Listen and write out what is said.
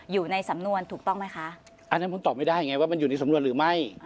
อยู่ในสำนวนถูกต้องไหมคะอันนั้นผมตอบไม่ได้ไงว่ามันอยู่ในสำนวนหรือไม่